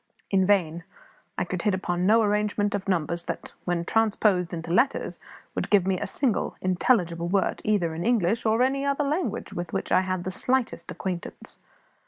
In vain; I could hit upon no arrangement of numbers that, when transposed into letters, would give me a single intelligible word, either in English or any other language with which I had the slightest acquaintance.